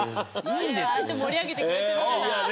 あれはああやって盛り上げてくれてるから。